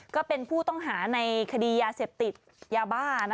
ก็เป็นผู้ต้องหาในคดียาเสพติดยาบ้า